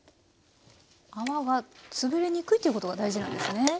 泡がつぶれにくいということが大事なんですね。